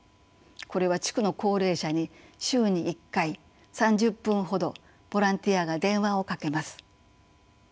これは地区の高齢者に週に１回３０分ほどボランティアが電話をかけます。